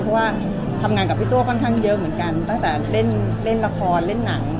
เพราะว่าทำงานกับพี่ตัวค่อนข้างเยอะเหมือนกันตั้งแต่เล่นละครเล่นหนัง